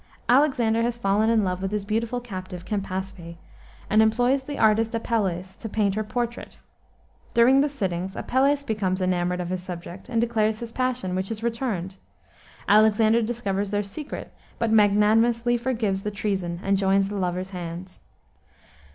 Alexander has fallen in love with his beautiful captive, Campaspe, and employs the artist Apelles to paint her portrait. During the sittings, Apelles becomes enamored of his subject and declares his passion, which is returned. Alexander discovers their secret, but magnanimously forgives the treason and joins the lovers' hands.